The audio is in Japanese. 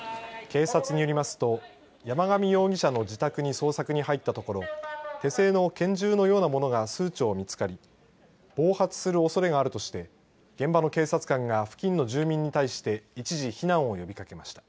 警察によりますと容疑者の自宅に捜索に入ったところ手製の拳銃のようなものが数丁見つかり暴発するおそれがあるとして現場の警察官が付近の住民に対して一時避難を呼びかけました。